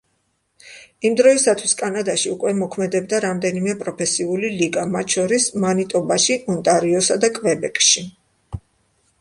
იმ დროისთვის კანადაში უკვე მოქმედებდა რამდენიმე პროფესიული ლიგა, მათ შორის მანიტობაში, ონტარიოსა და კვებეკში.